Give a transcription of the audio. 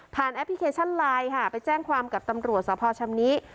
แอปพลิเคชันไลน์ค่ะไปแจ้งความกับตำรวจสภชำนิ